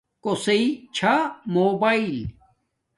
کوسݵ چھا موباݵل